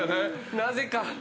なぜか。